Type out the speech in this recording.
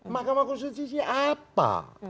mahkamah konstitusinya apa